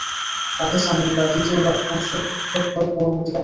আদে সানী বা দ্বিতীয় আদ বংশের উদ্ভব হয় পরবর্তীকালে।